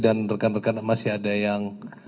dan rekan rekan masih ada yang